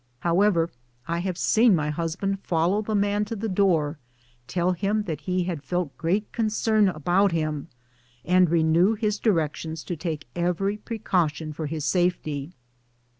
However, I have seen my husband follow the man to the door, and tell him that he had felt great concern about him, and renew his directions to take every precaution for his safety.